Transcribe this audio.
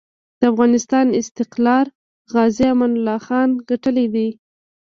د افغانسان استقلار غازي امان الله خان ګټلی دی.